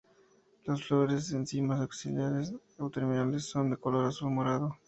Las flores en cimas axilares o terminales, son de color azul-morado.